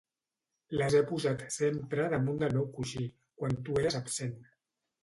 Les he posat sempre damunt del meu coixí, quan tu eres absent.